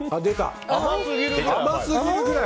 甘すぎるくらい。